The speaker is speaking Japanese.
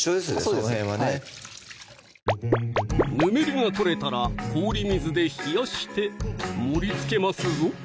その辺はねぬめりが取れたら氷水で冷やして盛りつけますぞ